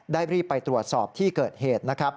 รีบไปตรวจสอบที่เกิดเหตุนะครับ